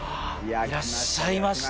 いらっしゃいました。